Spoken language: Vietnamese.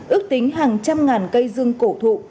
ước tính hàng trăm ngàn cây dương cổ thụ